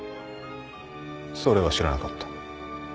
それは知らなかった。